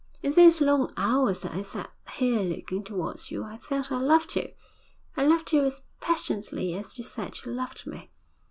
'In those long hours that I sat here looking towards you, I felt I loved you I loved you as passionately as you said you loved me.